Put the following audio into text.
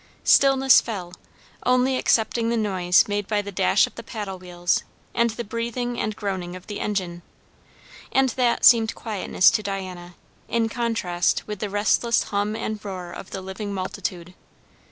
Stillness fell, only excepting the noise made by the dash of the paddle wheels and the breathing and groaning of the engine; and that seemed quietness to Diana, in contrast with the restless hum and roar of the living multitude.